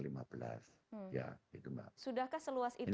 sudahkah seluas itu pak tracingnya